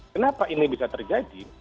kenapa ini bisa terjadi